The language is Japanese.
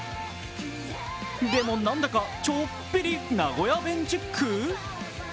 でも何だか、ちょっぴり名古屋弁チック？